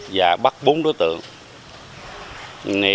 và bắt bốn đối tượng